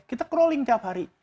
kita crawling tiap hari